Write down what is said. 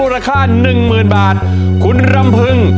ร้องได้ให้ร้าน